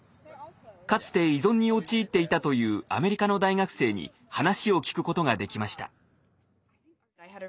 かつて依存に陥っていたというアメリカの大学生に話を聞くことができました。